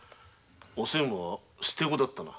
おせんは捨て子だったな？